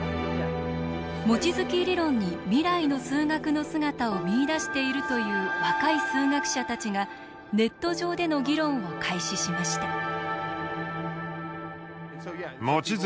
望月理論に未来の数学の姿を見いだしているという若い数学者たちがネット上での議論を開始しました。